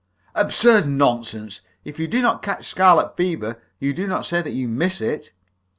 "Absurd nonsense! If you do not catch scarlet fever, you do not say that you miss it!"